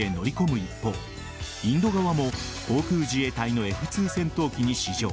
一方インド側も航空自衛隊のＦ‐２戦闘機に試乗。